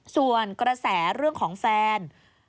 ส่วนกระแสเรื่องของแฟน